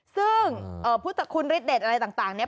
ซึ่งพุทธคุณฤทธเด็ดอะไรต่างเนี่ย